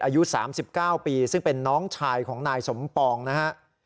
อายุสามสิบเก้าปีซึ่งเป็นน้องชายของนายสมปองนะฮะ